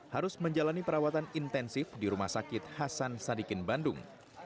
harus menjalani perawatan intensif di rumah sakit hasan sadikin bandung